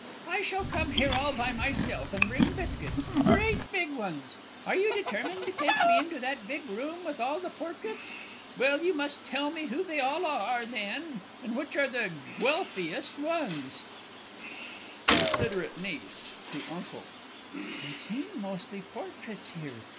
_) I shall come here all by myself, and bring biscuits. Great big ones! Are you determined to take me into that big room with all the Portraits? Well you must tell me who they all are, then, and which are the Guelphiest ones. [Illustration: "PETS! DON'T YOU love THEM? Aren't THEY TAME?"] CONSIDERATE NIECE (to UNCLE). They seem mostly Portraits here.